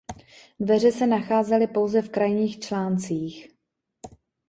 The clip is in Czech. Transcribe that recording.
Dveře se nacházely pouze v krajních článcích.